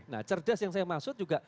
nah cerdas yang saya maksud juga